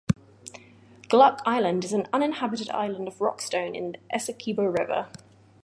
Gluck Island is an uninhabited island off Rockstone in the Essequibo River.